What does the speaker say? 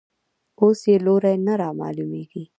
اوس یې لوری نه رامعلومېږي.